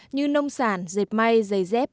như nông sản dệt may giày dép